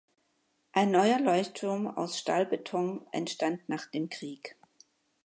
Ein neuer Leuchtturm aus Stahlbeton entstand nach dem Krieg.